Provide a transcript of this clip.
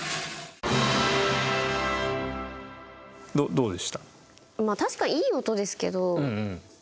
どうでした？